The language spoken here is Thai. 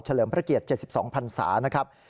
เลิมพระเกียรติ๗๒พันศานะครับ